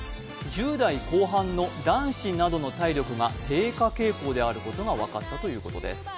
１０代後半の男子などの体力が低下傾向であることが分かったということです